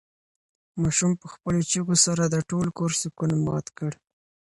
ماشوم په خپلو چیغو سره د ټول کور سکون مات کړ.